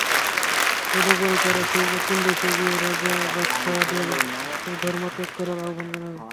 তদুপরি তারা সেই অচিন দেশে গিয়ে রাজা-বাদশাহদেরকে স্বধর্ম ত্যাগ করার আহবান জানাবে।